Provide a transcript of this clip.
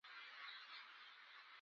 د پېژندلو اساس نه شي کېدای.